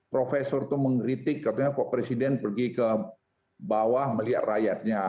profesor itu mengkritik katanya kok presiden pergi ke bawah melihat rakyatnya